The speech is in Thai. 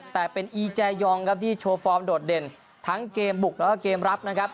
แต่เป็นอีแจยองครับที่โชว์ฟอร์มโดดเด่นทั้งเกมบุกแล้วก็เกมรับนะครับ